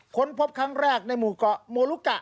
ค้นพบครั้งแรกในหมู่เกาะโมลุกะ